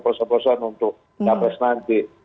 perso persoan untuk pilpres nanti